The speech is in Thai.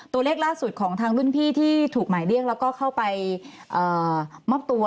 ตัวเลขล่าสุดของทางรุ่นพี่ที่ถูกหมายเรียกแล้วก็เข้าไปมอบตัว